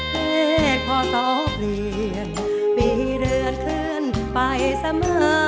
เพราะสาวเปลี่ยนมีเรื่องขึ้นไปเสมอ